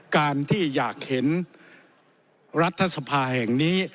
การที่อยากเห็นรัฐสภาแห่งนี้